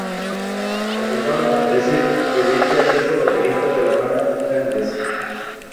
La persona que aparece en ella es el baterista de la banda, Fenriz.